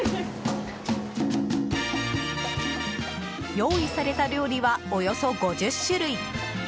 用意された料理はおよそ５０種類。